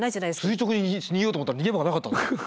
垂直に逃げようと思ったら逃げ場がなかったんです。